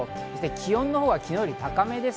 気温は昨日より高めです。